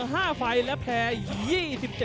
สวัสดีครับทายุรัฐมวยไทยไฟตเตอร์